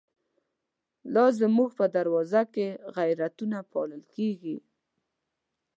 لازموږ په دروازوکی، غیرتونه پالل کیږی